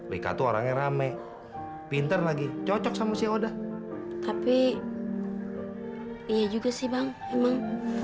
rika tuh orangnya rame pinter lagi cocok sama si oda tapi iya juga sih bang emang